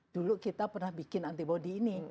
dulu kita pernah bikin antibody ini